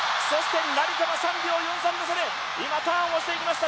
成田が３秒４３の差で今、ターンをしていきました。